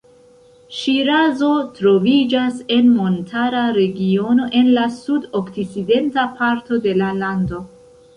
Ŝirazo troviĝas en montara regiono en la sud-okcidenta parto de la lando.